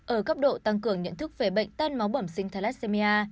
ở cấp độ tăng cường nhận thức về bệnh tan máu bẩm sinh thalassemia